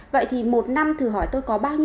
vậy thì một năm thử hỏi tôi có bao nhiêu